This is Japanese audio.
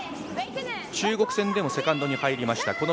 中国戦でもセカンドに入りました。